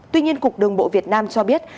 tuy nhiên cục đường bộ việt nam cho biết